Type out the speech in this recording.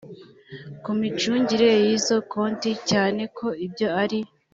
ku micungire y izo konti cyane ko ibyo ari